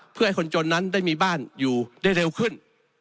เพื่อให้คนจนนั้นได้มีบ้านอยู่ได้เร็วขึ้น